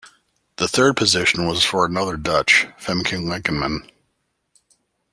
The third position was for another Dutch, Femke Lakenman.